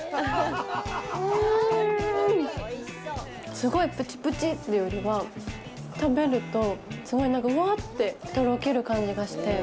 すごいプチプチというよりは食べるとふわってとろける感じがして。